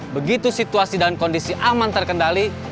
begitu situasi dan kondisi aman terkendali